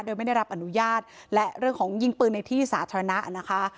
โดยไม่ได้รับอนุญาตและเรื่องของยิงปืนในที่สาธารณะนะคะ